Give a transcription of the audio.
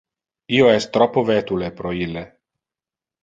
Io es troppo vetule pro ille.